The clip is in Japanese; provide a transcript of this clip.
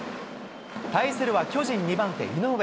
対するは、巨人２番手、井上。